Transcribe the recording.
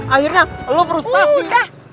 akhirnya lu frustasi udah